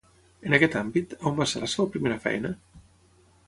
En aquest àmbit, a on va ser la seva primera feina?